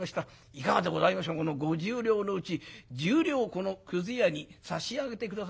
いかがでございましょうこの五十両のうち十両をこのくず屋に差し上げて下さい。